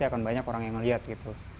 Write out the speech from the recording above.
akan banyak orang yang melihat gitu